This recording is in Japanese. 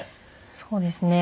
そうですね